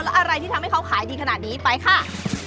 แล้วอะไรที่ทำให้เขาขายดีขนาดนี้ไปค่ะ